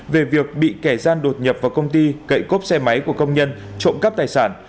về việc bị kẻ gian đột nhập vào công ty cậy cốp xe máy của công nhân trộm cắp tài sản